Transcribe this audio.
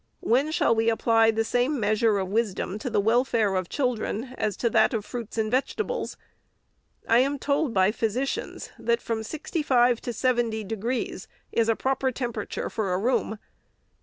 When shall we apply the same measure of wisdom to the welfare of children as to that of fruits and vegetables ? I am told by physicians, that from sixty five to seventy degrees is a proper temperature for a room.